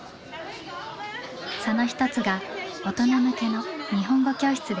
その一つが大人向けの日本語教室です。